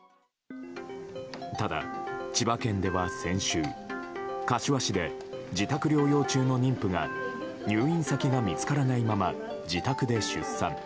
ただ千葉県では先週、柏市で自宅療養中の妊婦が入院先が見つからないまま自宅で出産。